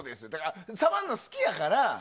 触るの好きやから。